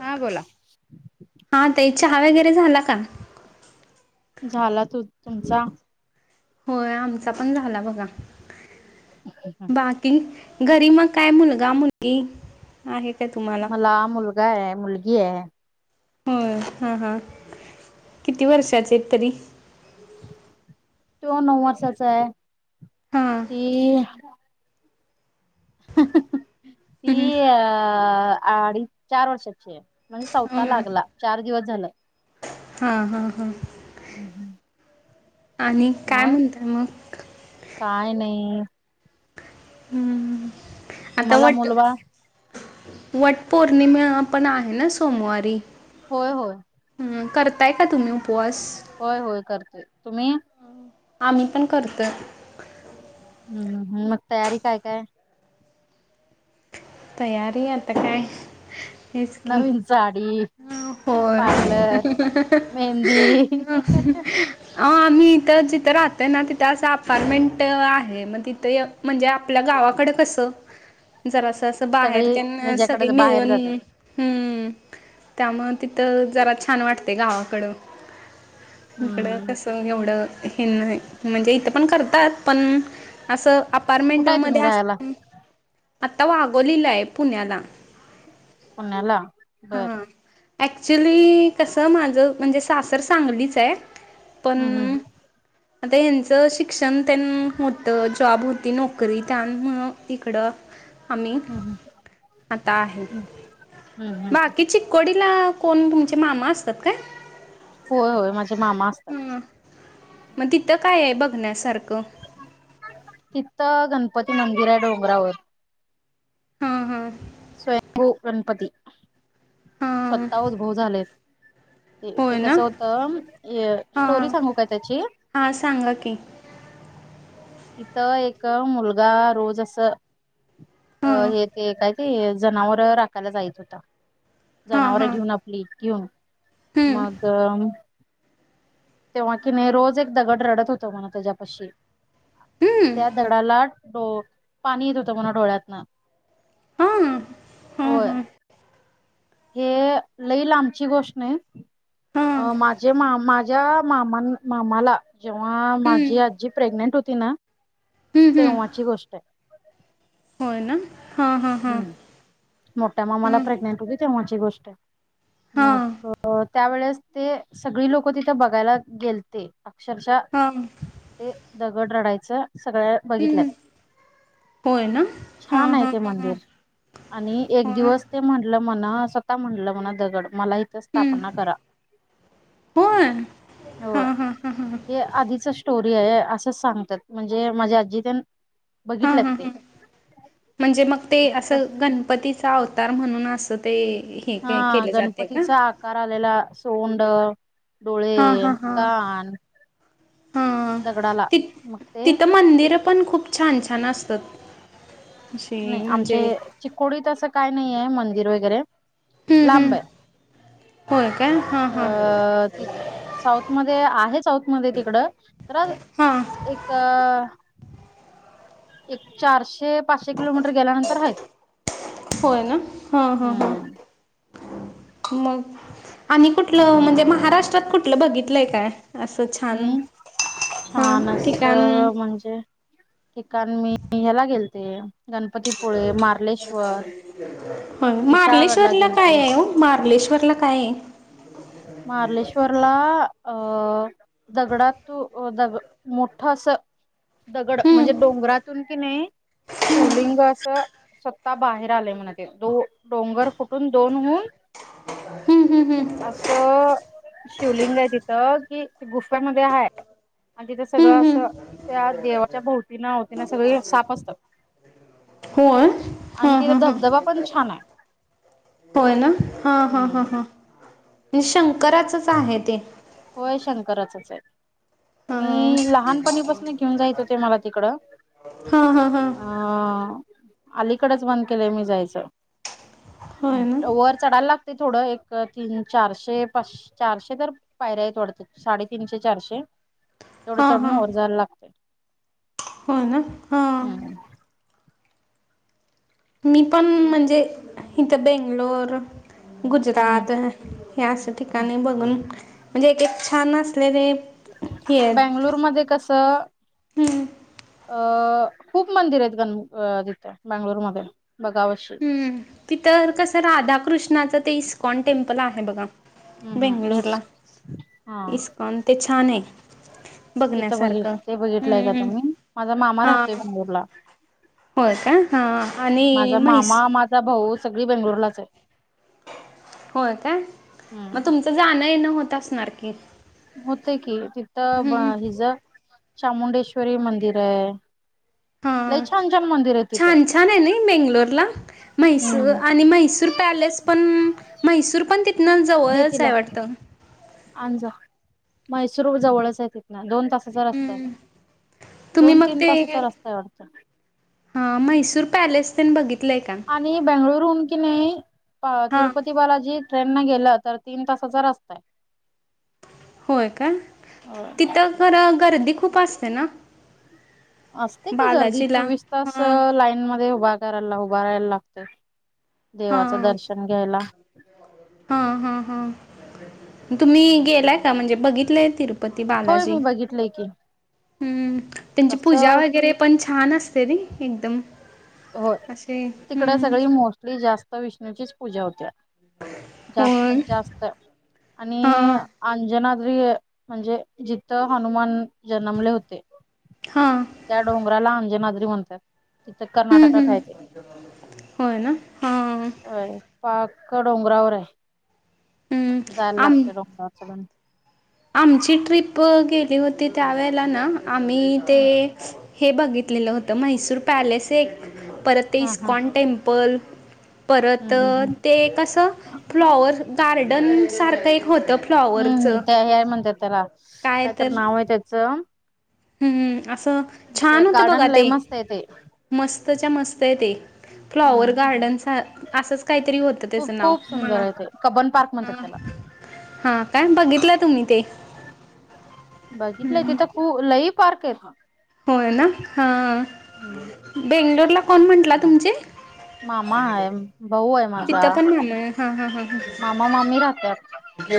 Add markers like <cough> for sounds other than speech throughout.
हा बोला हा ताई चहा वगैरे झाला का? झाला तुमचा होय आमचा पण झाला बघा बाकी घरी मग काय मुलगा मुलगी आहेत मला मुलगा आहे मुलगी आहे होय हा, हा किती वर्षाचे आहेत तरी? तो नऊ वर्षाचा आहे हा ती <unintelligible> ती अ -अडीच चार वर्षाची आहे म्हणजे चौथा हम्म लागला चार दिवस झाला हा- हा -हा हम् हम् <unintelligible> आणि काय म्हणताय मग काय नाही हम्म आता तुम्हाला वट मुलबाळ वट पौर्णिमा पण आहे ना सोमवारी होय -होय करताय का तुम्ही उपवास? होय -होय करतेय तुम्ही? आम्ही पण करतोय हम् मग तयारी काय -काय तयारी आता काय हेच की. नवीन जाडी होय पार्लर मेहंदी <inaudible> अ आम्ही इथ जिथं राहतोय ना तिथे असं अपार्टमेंट आहे मग तिथे म्हणजे आपल्या गा गावाकडे कस जरास अस बाहेर सगळी तिन सगळे ह्याच्याकडे बाहेर मिळून जातात हम्म त्यामुळ तिथं जरा छान वाटतेय गावाकडं इकडं हम्म कस एवढं हे नाही म्हणजे इथ पण करतात पण अस अपारमेंट कुठे आहे मध्ये तुम्ही राहायला आता वागोवलेलाय पुण्याला पुण्याला बरं. ऍक्च्युली कसं माझं म्हणजे सासर सांगलीच आहे. पण. हम्म हम्म आता ह्यांचं शिक्षण त्यां होतं जॉब होती नोकरी त्यांमु तिकडं. आम्ही हम्म. आता आहे हम्म हम् बाकीची चिको कोण तुमचे मामा असतात काय. होय होय माझे मामा असतात हा मग तिथं काय बघण्यासारखं. तिथथ गणपती मंदिर आहे डोंगरावर. हा हा. स्वयंभू गणपती हां स्वता उद्भव झालेत. ते ते होय ना कसं होतं स्टोरी हां सांगू का त्याची. हां <unintelligible> तिथं एक मुलगा रोज अस अ हां हे ते काय. ते जनावर राखायला जायत होता हां जनावर हां घेऊन आपली घेऊन. हां मग. तेव्हा की नाही रोज एक दगड रडत होतो म्हणा त्याच्यापाशी. त्या दगडाला डो पाणी येत होतं डोळ्यातनं. हां होय. हे लईलमची गोष्ट नाही. हां अं माझे मा माझ्या मामाां मामाला. जेव्हा माझी आजी प्रेग्नेंट होती ना हां तेव्हाची गोष्ट आहे. होय ना हा हा हा. हम्म मोठ्या मामाला प्रेग्नेंट होती तेव्हाची गोष्ट आहे मग. हां त्यावेेळेस ते सगळी लोकं तिथे बघायला गेलते अक्षरशः ते. दगड रडायचं सगळं बघितलंय. हां होय ना हा हम हम हम. आणि एक दिवस ते म्हटलं म्हणा स्वतः म्हटलं म्हणा दगड मला इथं स्थापना करा. होयं. हो हे आधीच स्टोरी आहे असं सांगतात म्हणजे माझ्या आजी त्या हां बघितलं हां ते हां म्हणजे मग ते तिथं असं गणपतीचा अवतार म्हणून असं ते. हे हा के केले जाते का? गणपतीचा आकार आलेला सोंड. डोळे, कान. हा दगडाला ती मग ते तिथं मंदिर पण खूप छान. असतात. अशी नाही आमचे म्हणजे चीकोडीत असं काय नाहीये मंदिर वगैरे. हम्म लांब हम्म आहे होय काय? हां हां अ त साऊथ मध्ये आहे साऊथ मध्ये तिकडं तर हां एक एक चारशे पाचशे किलोमीटर गेल्यानंतर आहेत, होय ना हां हां हां हम्म. मग आणि कुठलं म्हणजे महाराष्ट्रात कुठलं बघितलंय काय? असं छान. मी छान हां ठिकाण असं म्हणजे ठिकाण मी ह्याला गेल ह विशाळगडला मार्लेश्वरला गेलते काये ओ मार्लेश्वर पलं काये. मारलेश्वरला अ दगडात तू दग मोठ अस दगड हम्म म्हणजे डोंगरातून कि नाही शिवलिंग असं सत्ता बाहेर आले म्हण ते दो डोंगर फुटून दोन होऊन. हम्म हम्म हम्म. असं शिवलिंग आहे तिथं कि गुफांमध्ये हाय. आणि तिथं सगळं हम्म असं हम्म त्या देवाच्या भोवती ना अवती ना सगळी साप असतात. होय? ह आणि तिथे ह ह. धबधबा पण छान आहे होय ना हा हा हा हम्म हा म्हणजे शंकराचच आहे ते. होय शंकराचचे. हां मी लहानपणीपासून घेऊन जायच ते मला तिकडं हां हां हां अ अलीकडेच बंद केलंय मी जायचं होय ना वर चढायला लाग ते थोडं एक तीन चारशे पाच चारशे तर पायऱ्या आहेत वाडत. साडेतीनशे चारशे तेवढं चढून वर जायला लागतय. हो ना ह. हम्म मी पण म्हणजे इथं बेंगलोर हम्म गुजरात ह्या अस हम्म ठिकाणी बघून म्हणजे एक छान असलेले. हे आहेत बेंगलोर मध्ये कसं हम्म अ खूप मंदिरेत गण तिथे बंगलोरमध्ये बगा अशी. तिथर कसं राधाकृष्णाचं ते इस्कॉन टेम्पल आहे बघा. हम्म हम्म इईस बेंगलोरला इस्कॉन ते छाने. तिथं बघित ते बघितलंय का तुम्ही माझा मामा हा राहतोय बंगलोरला. होय का हा आणि माझा म्हैस मामा माझा भाऊ सगळी बेंगलोरलाचे. होय काय? मग हम्म तुमचं जाणं येणं होत असणार की. होते की तिथं हम्म हिज चामुंडेश्वरी मंदिरे. लई हा छान छान मन छान छाने नई बांगलोरला म्हैसूर हम्म आणि म्हैसूर पॅलेस पण म्हैसूर पण तिथनच जवळचे वाटतं. मानज मैसूर जवळचे तीथन, दोन तासाचा रस्ताय. हम्म तुम्ही दोन मग तीन ते तासाचा रस्ता वाटत. हा म्हैसूर पॅलेस तेन बघितलंय का? आणि बेंगळुरहून किनी हा तिरुपती बालाजी ट्रेन न गेलं तर तीन तासाचा रस्ताय. होय का? आहे. तिथं खर गर्दी खूप असते ना. असते की गर्दी बालाजीला? चोवीस तास हां लाईन मध्ये उभ घराला उभा राहायला लागतं देवाचं दर्शन घ्यायला. हा, हा, हा, तुम्ही गेलाय आ, म्हणजे बघितलंय तिरुपती होय बालाजी, मी बघितलंय की हम्म त्यांची तस पूजा वगैरे पण छान असते नि एकदम हो, असे तिकडे हम्म सगळी मोस्टली जास्त विष्णूचीच पूजा होत्या. होय. जास्तीत जास्त आणि हां अंजना द्री म्हणजे जिथं हनुमान जन्मले होते. हां त्या डोंगराला अंजनाद्री म्हणतात. तिथं हम्म कर्नाटकात हम्म आहे ते होय ना? हां पाक का डोंगरावर आहे, हम्म जायला आम लागते डोंगराचं पण आमची ट्रिप गेली होती त्यावेेळेला ना, आम्ही हं तेच हे बघितलेलं होतं म्हैसूर पॅलेस एक परत ते हा हा. ISKCON temple. परत हम्म हम्म हम्म. ते कसं फ्लॉवर गार्डन सारखं एक होतं. फ्लॉवरचं एआई म्हणत्यात त्याला काय कायतर तर नाव आहे त्याच हम्म असं छान होतं बघा गार्डन लय ते मस्त आहे ते. मस्तच्या मस्त आहे ते. फ्लॉवर हम्म. गार्डन सार असंच काहीतरी होतं खूप त्याचं नाव खूप सुंदर मला आहे ते. कबन पार्क अ म्हणतात त्याला. हा कायम बघितलं तुम्ही ते बघितलंय तिथं खू लई पार्क आहेत होय ना, हा हम्म. बेंगलोरला कोण? म्हंटला, तुमचे मामा हाय, भाऊ आ हे माझा तिथं पण मामा हा हा हा हा मामा - मामी राहत्यात.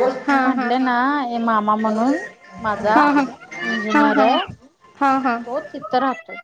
हा मी हा हा म्हटले ना, हे मामा म्हणून माझा <inaudible> हा हा हा हा तो तिथं राहतोय -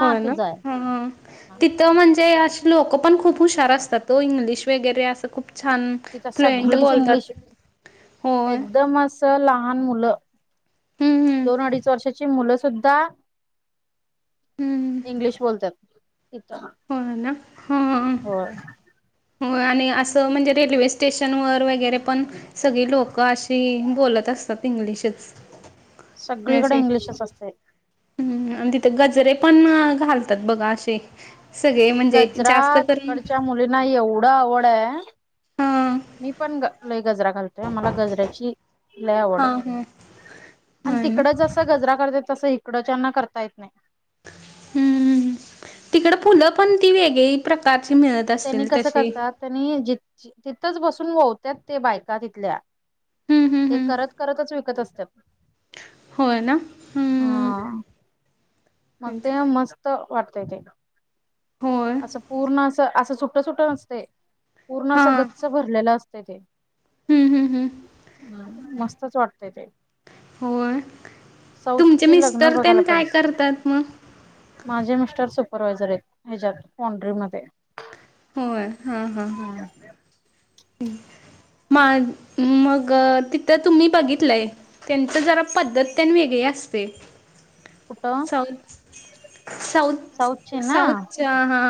होय ना, हं हं, हा तिथ म्हणजे अशी लोक पण खूप हुशार असतात व इंग्लिश वेगैरे असं खूप छान तिथ फ्लुएंट सगळीच बोलतात इंग्लिश होय एकदम अस लहान मुलं हम्म दोन हम्म अडीच वर्षाची मुलं सुद्धा इंग्लिश बोलत्यात. होय ना, हअअ हो हो आणि असं म्हणजे, रेल्वे स्टेशन वर वगैरे पण सगळी लोकं अशी बोलत्यात. सतीइंग्लिशच सगळीकडे इंग्लिशचं असतय. हम् आणि तिथे गजरे पण घालतात. बघा अशे गजरा तिकडच्या मुलींना एवढं आवड हाय हा मी पण ग लय गजरा घालतेय मला गजऱ्याची लय आवड हा हा हाय आणि हा ना तिकडं जस गजरा करत्यात तसं इकडंच्यांना करता येत नाही. हम्म, तिकडं फुलं पण ती वेगळी प्रकार त्यांनी कसं करतात, त्यांनी जीद् <unintelligible> तिथच. बसून वोवत्यात ते बायका तिथल्या, हम्म हम्म ते हम्म करत करतच विक कत असत्यात. होय ना हम्म हाअ मग ते मस्त वाट ते <unintelligible> होय असं पूर्ण असं - असं, सुट - सुट नसते. पूर्ण हा असं गच्च भरलेलं असते ते. हम्म हम्म हम्म हम मस्तचं वाटतय ते होय -. तुमचे साऊथचे लग्न मिस्टर बघायला तेन काय पाहिजेस. करतात मग माझे मिस्टर सुपरव्हायझर आहेत. ह्याच्यात पॉंड्री मध्ये. होय, हा - हा मग तिथं तुम्ही बघितलंय त्यांच जरा पद्धत त्यांनी वेगळी <unintelligible> तेअस्ते-. कूट अं -. साऊथ साऊथचीन ना साऊथच्या हा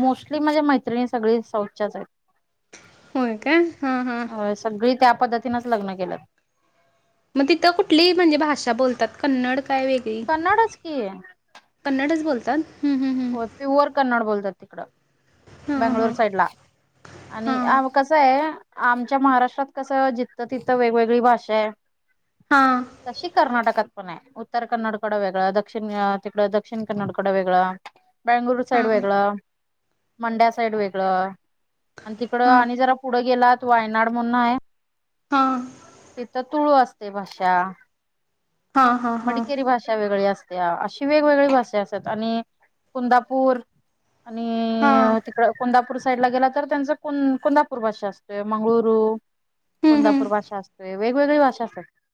मोस्ट -. माणझ्या मैत्रिणी सगळीच साऊथचया आहेत -. होयका हम - हम -. पद्तीनंच लग्न केलं-. मग तिथं कुठली म्हणजे? भाषा बोलतात कन्नड काय वेगळी कन्नडच की कन्नडचंं बोलतात-. हम्म हम्म हो प्युअर कन्नड बोलतात तिकडं -. बंगलुर हम्म साईडला आणि हा आम कस आय -. आमच्या महाराष्ट्रात कसं जिथतं तिथं वेगवेगळी भाषा आहेत-. हा तशी कर्नाटकात -. पण आहे उत्तर कन्नडकडं वेगळं दक्षिण तिकडं दक्षिण कन्नडकडं वेगळं -. बेंगळूर हा साईड हा वेगळंअ मंड्या साईड वेगळंअ -. आणि तिकड हा हा आणि जरा पुढं गेलात वायनाड म्हून आहे. हा तिथं तुळू असते, भाषा -. हा हा हा मडिकेरी भाषा वेगळी असते्या अशी वेगवेगळी भाषा असातेय आणि -. कुंदापूर आणि हा तिकड कुंदापूर -. पूर साईड ला गेला तर त्यांचा कोुंद्हापूर भाषा असतोय मंगळुरू हम्म हम्म कोंदापूर भाषा असते वेगवेगळी भाषा असते